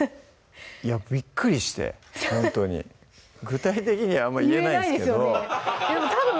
いやびっくりしてほんとに具体的にはあんまり言えないんすけどボク